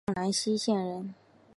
浙江兰溪县人。